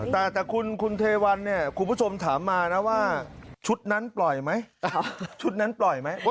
แต่คุณเทวัลคุณผู้ชมถามมานะว่าชุดนั้นปล่อยไหม